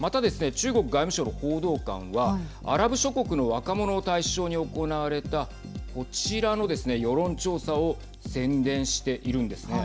中国外務省の報道官はアラブ諸国の若者を対象に行われたこちらのですね、世論調査を宣伝しているんですね。